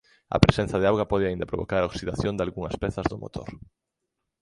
A presenza de auga pode aínda provocar a oxidación dalgunhas das pezas do motor.